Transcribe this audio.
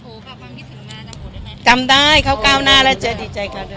ขอบคุณค่ะความที่ถึงมาจำผมได้ไหมจำได้เข้าเก้าหน้าแล้วเจ๊ดีใจค่ะด้วย